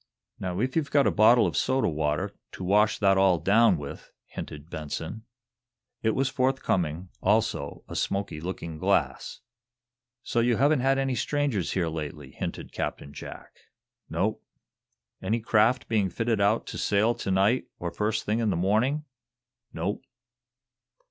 "Now, if you've got a bottle of soda water, to wash that all down with," hinted Benson. It was forthcoming, also a smoky looking glass. "So you haven't had any strangers here lately," hinted Captain Jack. "Nope." "Any craft been fitting out to sail to night or first thing in the morning?" "Nope."